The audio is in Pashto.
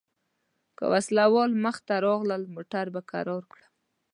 که وسله وال مخته راغلل موټر به کرار کړم.